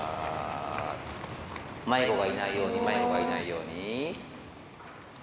迷子がいないように、迷子がいないように。